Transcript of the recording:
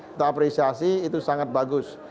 kita apresiasi itu sangat bagus